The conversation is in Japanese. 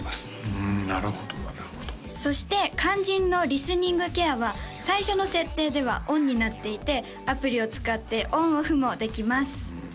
うんなるほどなるほどそして肝心のリスニングケアは最初の設定ではオンになっていてアプリを使ってオンオフもできます